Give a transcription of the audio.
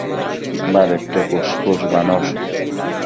Badedquio cuësh-cuëshbanosh